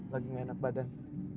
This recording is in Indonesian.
lagi gak enak badan